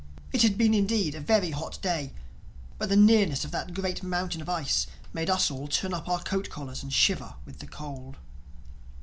It had been indeed a very hot day; but the nearness of that great mountain of ice made us all turn up our coat collars and shiver with the cold.